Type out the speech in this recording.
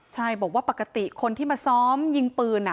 ใช่บอกว่าปกติคนที่มาซ้อมยิงปืน